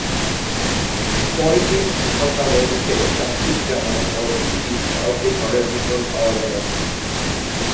পরদিন সকালে উঠে শামছুজ্জামান ও শিশির কাউকে ঘরের ভেতর পাওয়া যায়নি।